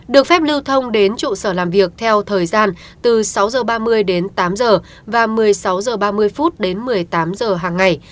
được phép lưu thông đến trụ sở làm việc theo thời gian từ sáu h ba mươi đến tám h và một mươi sáu h ba mươi đến một mươi tám h hàng ngày